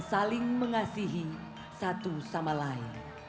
saling mengasihi satu sama lain